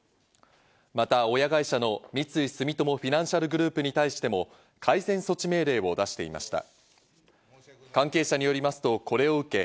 また、親会社の三井住友フィナンシャルグループに対しても、改善措置命令を出していました。